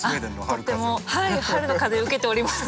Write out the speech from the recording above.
とってもはい春の風を受けております。